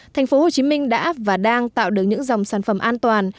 thành phố hồ chí minh đã và đang tạo được những dòng sản phẩm an toàn